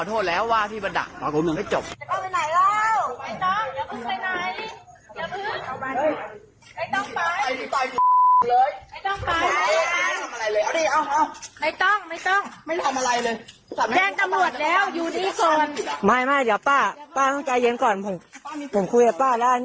ที่ที่วันอ่าเดิมไม่ได้จบไอ้น้องอย่าเลย